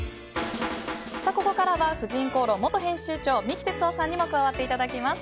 ここからは「婦人公論」元編集長三木哲男さんにも加わっていただきます。